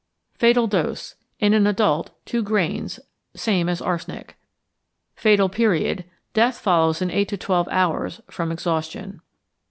Fatal Dose. In an adult 2 grains (same as arsenic). Fatal Period. Death follows in eight to twelve hours, from exhaustion.